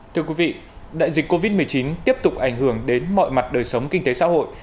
thưa quý vị đại dịch covid một mươi chín tiếp tục ảnh hưởng đến mọi mặt đời sống kinh tế xã hội